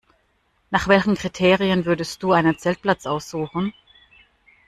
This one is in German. Nach welchen Kriterien würdest du einen Zeltplatz aussuchen?